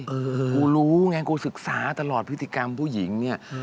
กูรู้ไงกูศึกษาตลอดพฤติกรรมผู้หญิงเนี่ย